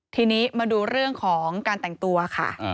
ทีนี้มาดูเรื่องของการแต่งตัวค่ะ